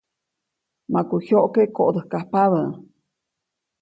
Maku jyoʼke koʼdäjkajpabä.